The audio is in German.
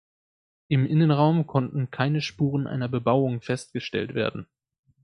Im Innenraum konnten keine Spuren einer Bebauung festgestellt werden.